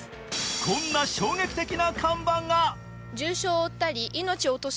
こんな衝撃的な看板が！